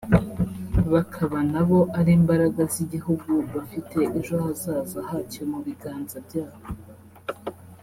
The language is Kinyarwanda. bakaba na bo ari imbaraga z’igihugu bafite ejo hazaza hacyo mu biganza byabo